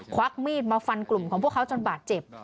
ควักมีดมาฟันกลุ่มของพวกเขาจนบาดเจ็บ